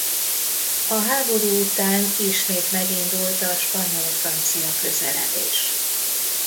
A háború után ismét megindult a spanyol–francia közeledés.